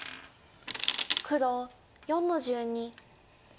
黒４の十二。